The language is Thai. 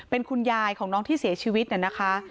เป็นคุณยายของน้องที่เสียชีวิตเนี่ยนะคะ